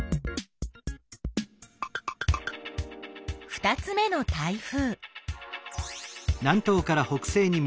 ２つ目の台風。